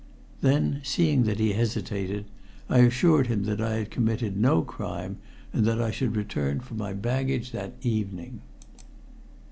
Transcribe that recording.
Then, seeing that he hesitated, I assured him that I had committed no crime, and that I should return for my baggage that evening.